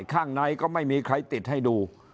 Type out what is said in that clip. ข้างในก็ไม่มีใครติดให้ดู